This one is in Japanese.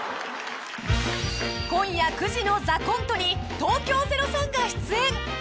［今夜９時の『ＴＨＥＣＯＮＴＥ』に東京０３が出演］